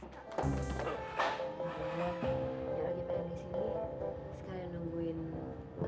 kalo kita yang disini